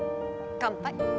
乾杯